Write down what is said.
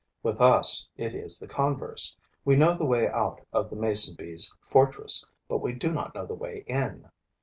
With us, it is the converse: we know the way out of the mason bee's fortress, but we do not know the way in.